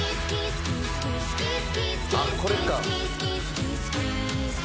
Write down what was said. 「ああこれか」